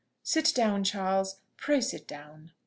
Sit down, Charles pray sit down."